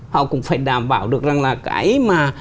họ cũng phải đảm bảo được rằng là cái mà